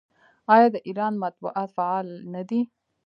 آیا د ایران مطبوعات فعال نه دي؟